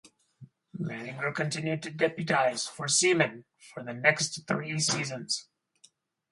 Manninger continued to deputise for Seaman for the next three seasons.